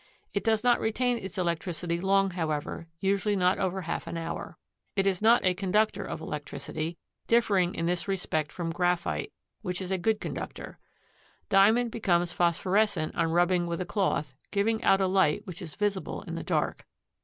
It does not retain its electricity long, however, usually not over half an hour. It is not a conductor of electricity, differing in this respect from graphite, which is a good conductor. Diamond becomes phosphorescent on rubbing with a cloth, giving out a light which is visible in the dark.